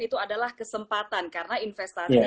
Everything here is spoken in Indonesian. itu adalah kesempatan karena investasinya